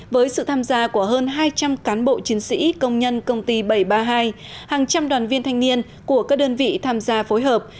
với sự tham gia của hơn hai trăm linh cán bộ chiến sĩ công nhân công ty bảy trăm ba mươi hai hàng trăm đoàn viên thanh niên của các đơn vị tham gia phối hợp